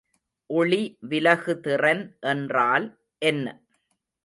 ஒளி விலகுதிறன் என்றால் என்ன?